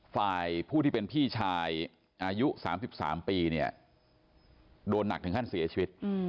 ฝ่ายผู้ที่เป็นพี่ชายอายุ๓๓ปีเนี่ยโดนหนักถึงขั้นเสียชีวิต